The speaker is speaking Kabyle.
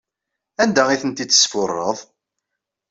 Anda ay tent-id-tesfuṛeḍ?